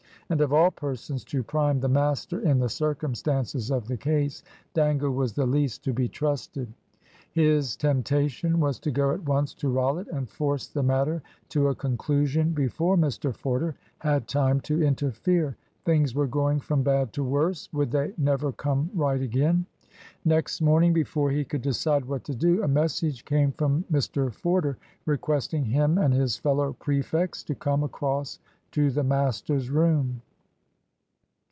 And of all persons to prime the master in the circumstances of the case, Dangle was the least to be trusted. His temptation was to go at once to Rollitt, and force the matter to a conclusion before Mr Forder had time to interfere. Things were going from bad to worse. Would they never come right again? Next morning, before he could decide what to do, a message came from Mr Forder, requesting him and his fellow prefects to come across to the master's room.